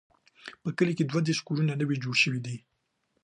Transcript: په کلي کې دوه دیرش کورونه نوي جوړ شوي دي.